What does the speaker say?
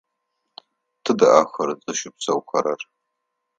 Тыдэ ахэр зыщыпсэухэрэр?